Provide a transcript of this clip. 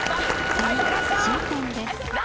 次終点です。